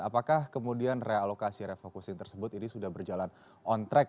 apakah kemudian realokasi refocusing tersebut ini sudah berjalan on track